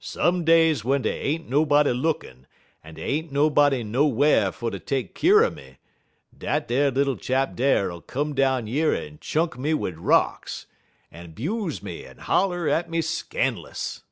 Some days w'en dey ain't nobody lookin', en dey ain't nobody nowhar fer ter take keer un me, dat ar little chap dar 'll come down yer en chunk me wid rocks, en 'buze me en holler at me scan'lous."